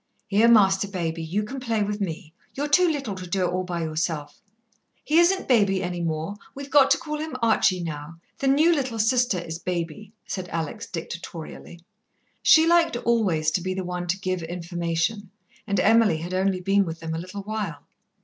Here, Master Baby, you can play with me. You're too little to do it all by yourself." "He isn't Baby any more. We've got to call him Archie now. The new little sister is Baby," said Alex dictatorially. She liked always to be the one to give information, and Emily had only been with them a little while.